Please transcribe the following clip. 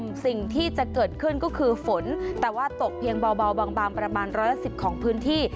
สิ่งที่จะเกิดขึ้นก็คือฝนแต่ว่าตกเพียงเบาบางประมาณร้อยละ๑๐ของพื้นที่